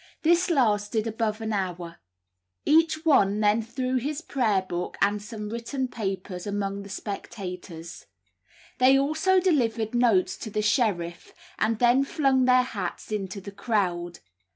This lasted above an hour. Each one then threw his prayer book and some written papers among the spectators; they also delivered notes to the sheriff, and then flung their hats into the crowd.